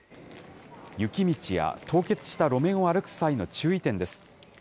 雪道や凍結した路面を歩く際の注意点です。